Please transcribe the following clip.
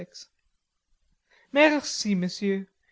"Merci, Monsieur.